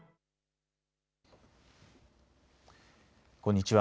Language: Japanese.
こんにちは。